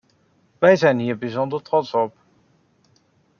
Wij zijn hier bijzonder trots op.